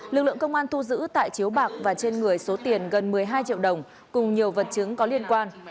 lực lượng công an thu giữ tại chiếu bạc và trên người số tiền gần một mươi hai triệu đồng cùng nhiều vật chứng có liên quan